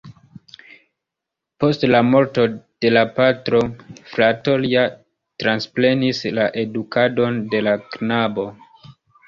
Post la morto de la patro frato lia transprenis la edukadon de la knabo.